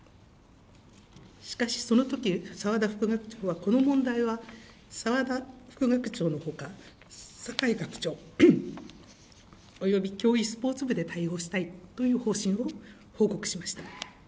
しかしそのとき、澤田副学長はこの問題は澤田副学長のほか、酒井学長、および競技スポーツ部で対応したいという方針を報告しました。